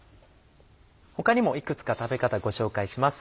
他にもいくつか食べ方ご紹介します。